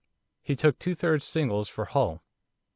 He took two third singles for Hull.